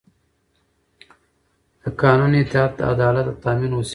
د قانون اطاعت د عدالت د تامین وسیله ده